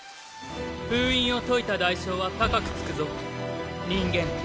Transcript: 封印を解いた代償は高くつくぞ人間。